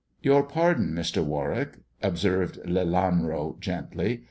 " Your pardon, Mr. Warwick," observed Lelanro gently.